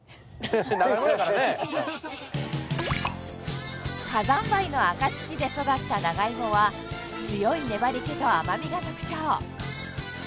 長芋やからね火山灰の赤土で育った長芋は強い粘り気と甘みが特徴